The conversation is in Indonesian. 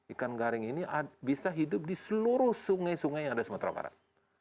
ikan garing ini bisa hidup di seluruh sungai sungai yang ada di sumatera barat